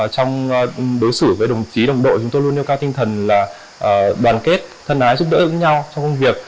trong đối xử với đồng chí đồng đội chúng tôi luôn nêu cao tinh thần là đoàn kết thân ái giúp đỡ lẫn nhau trong công việc